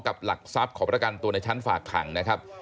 หลักทรัพย์ขอประกันตัวในชั้นฝากขังนะครับ